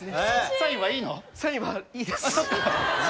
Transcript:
サインはいいです。